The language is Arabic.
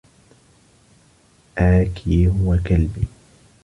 آكي هو كلبي.